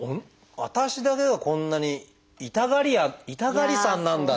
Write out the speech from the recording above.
私だけがこんなに痛がり屋痛がりさんなんだって。